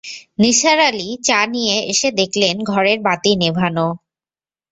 নিসার আলি চা নিয়ে এসে দেখলেন ঘরের বাতি নেভান।